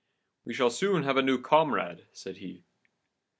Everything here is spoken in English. "'We shall soon have a new comrade,' said he.